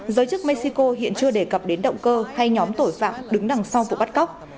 giới chức mexico hiện chưa đề cập đến động cơ hay nhóm tội phạm đứng đằng sau vụ bắt cóc